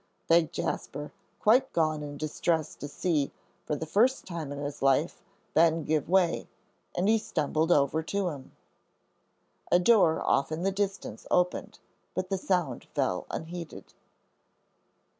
begged Jasper, quite gone in distress to see, for the first time in his life, Ben give way, and he stumbled over to him. A door off in the distance opened, but the sound fell unheeded.